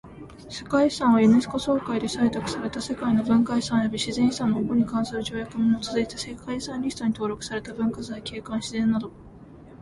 世界遺産はユネスコ総会で採択された世界の文化遺産及び自然遺産の保護に関する条約に基づいて世界遺産リストに登録された文化財、景観、自然など。